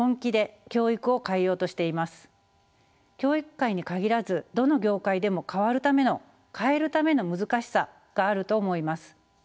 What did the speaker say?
教育界に限らずどの業界でも変わるための変えるための難しさがあると思います。